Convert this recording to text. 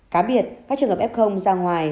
cá biệt các trường hợp f ra ngoài